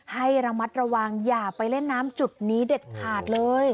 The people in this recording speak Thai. ให้ระมัดระวังอย่าไปเล่นน้ำจุดนี้เด็ดขาดเลย